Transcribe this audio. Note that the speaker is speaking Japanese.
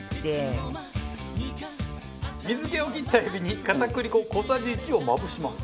水気を切ったエビに片栗粉小さじ１をまぶします。